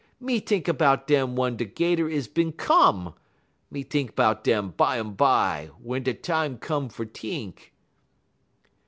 Me t'ink 'bout dem wun da 'Gator is bin come; me t'ink 'bout dem bumbye wun da time come fer t'ink.'